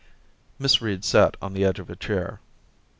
Miss Reed sat on the edge of a chair.